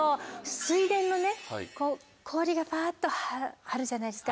水田の氷がパっと張るじゃないですか。